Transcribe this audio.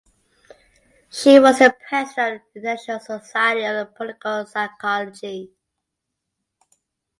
She was the President of the International Society of Political Psychology.